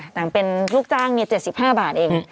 ต่างเป็นลูกจ้างเมีย๗๕บาทเอง